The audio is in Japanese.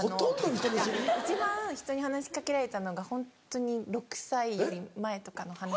一番人に話しかけられたのがホントに６歳より前とかの話。